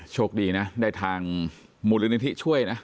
โชคดีนะได้ทางมูลนิธิช่วยนะ